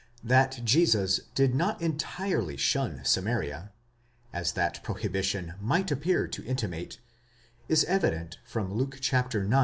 That Jesus did not entirely shun Samaria, as that prohibition might appear to intimate, is evident from Luke ix.